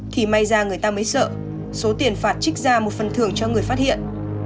thì may ra người ta mới sợ số tiền phạt trích ra một phần thưởng cho người phát hiện